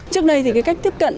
trước đây thì cái cách tiếp cận